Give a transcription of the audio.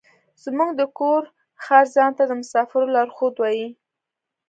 زموږ د کور خر ځان ته د مسافرو لارښود وايي.